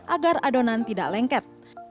agar adonan tidak lengket